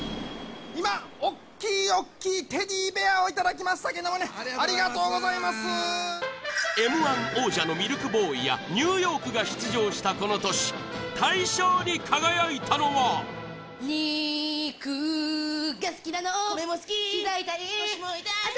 今おっきいおっきいテディベアをいただきましたけどもねありがとうございますＭ−１王者のミルクボーイやニューヨークが出場したこの年大賞に輝いたのは肉が好きなの米も好き膝